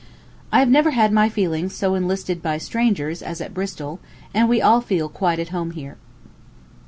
I have never had my feelings so enlisted by strangers as at Bristol; and we all feel quite at home here.